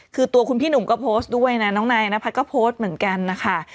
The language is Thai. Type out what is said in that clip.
คือตัวคุณพี่หนุ่มก็โพสต์ด้วยนะน้องนายนพัฒน์ก็โพสต์เหมือนกันนะคะ